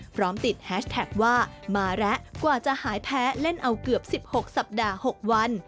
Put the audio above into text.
พร้อมติดแฮชแท็กว่ามาแล้วกว่าจะหายแพ้เล่นเอาเกือบ๑๖สัปดาห์๖วัน